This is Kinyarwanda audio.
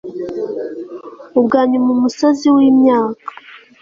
Ubwanyuma umusozi wimyaka